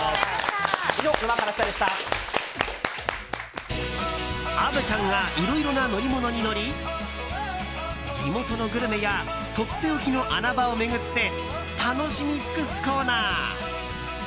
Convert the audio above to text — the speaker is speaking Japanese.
以上、「沼から来た。」でした。虻ちゃんがいろいろな乗り物に乗り地元のグルメやとっておきの穴場を巡って楽しみつくすコーナー。